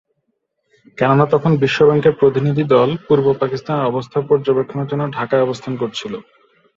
কেননা তখন বিশ্বব্যাংকের প্রতিনিধি দল পূর্ব পাকিস্তানের অবস্থা পর্যবেক্ষণের জন্য ঢাকায় অবস্থান করছিল।